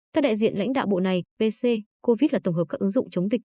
theo đại diện lãnh đạo bộ này b c covid là tổng hợp các ứng dụng chống dịch